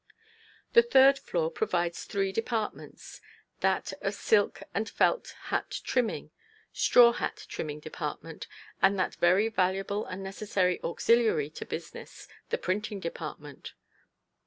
The third floor provides three departments: that of silk and felt hat trimming, straw hat trimming department, and that very valuable and necessary auxiliary to business, the printing department.